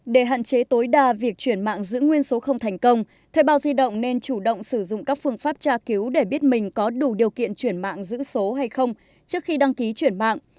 để hạn chế tối đa việc truyền mạng giữ nguyên số không thành công thời bào di động nên chủ động sử dụng các phương pháp tra cứu để biết mình có đủ điều kiện truyền mạng giữ số hay không trước khi đăng ký truyền mạng